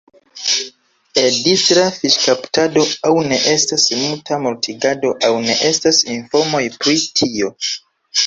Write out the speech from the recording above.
El distra fiŝkaptado aŭ ne estas multa mortigado aŭ ne estas informoj pri tio.